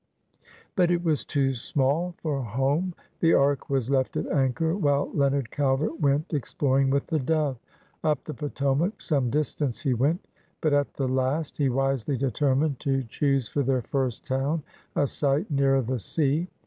But it was too small for a home. The Ark was left at anchor, while Leonard Calvert went explor ing with the Dove. Up the Potomac some distance he went, but at the last he wisely determined to choose for their first town a site nearer the sea.